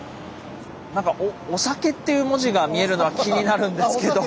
何か「御酒」っていう文字が見えるのは気になるんですけど。